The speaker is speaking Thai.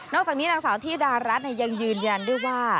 จากนี้นางสาวธิดารัฐยังยืนยันด้วยว่า